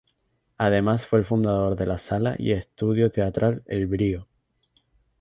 Además fue el fundador de la sala y estudio teatral El Brío.